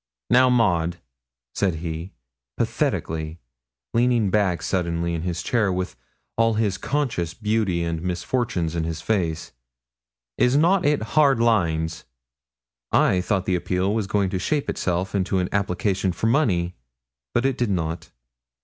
'Now, Maud,' said he, pathetically, leaning back suddenly in his chair, with all his conscious beauty and misfortunes in his face, 'is not it hard lines?' I thought the appeal was going to shape itself into an application for money; but it did not.